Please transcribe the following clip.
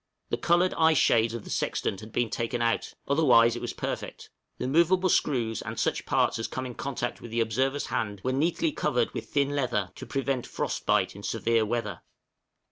The colored eye shades of the sextant had been taken out, otherwise it was perfect; the movable screws and such parts as come in contact with the observer's hand were neatly covered with thin leather to prevent frost bite in severe weather.